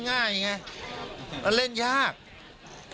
แล้วถ้าคุณชุวิตไม่ออกมาเป็นเรื่องกลุ่มมาเฟียร์จีน